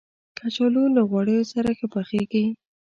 کچالو له غوړیو سره ښه پخیږي